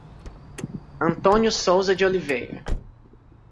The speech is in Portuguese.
Antônio Souza de Oliveira